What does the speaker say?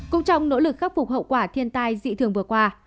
cũng trong nỗ lực khắc phục hậu quả thiên tai dị thường vừa qua